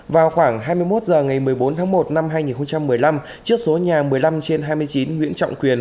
vào khoảng hai mươi một h ngày một mươi bốn tháng một năm hai nghìn một mươi năm trước số nhà một mươi năm trên hai mươi chín nguyễn trọng quyền